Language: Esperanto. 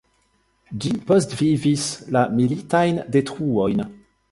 Ĝi postvivis la militajn detruojn.